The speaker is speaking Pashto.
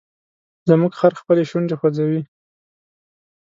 زموږ خر خپلې شونډې خوځوي.